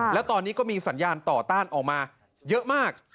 แล้วตอนนี้ก็มีสัญญาณต่อต้านออกมาเยอะมาก